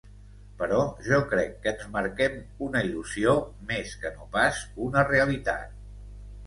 Però jo crec que ens marquem una il·lusió més que no pas una realitat.